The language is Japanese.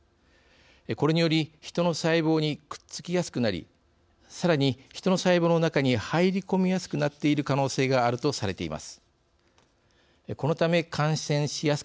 これによりヒトの細胞にくっつきやすくなりさらに、ヒトの細胞の中に入り込みやすくなっている可能性があるとされています。